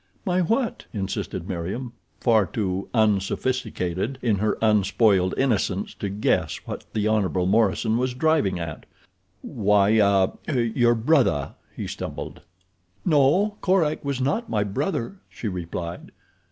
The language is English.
"My what?" insisted Meriem, far too unsophisticated in her unspoiled innocence to guess what the Hon. Morison was driving at. "Why—ah—your brother?" he stumbled. "No, Korak was not my brother," she replied.